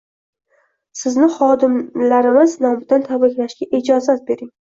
Sizni xodimlamiz nomidan tabriklashga ijozat bering.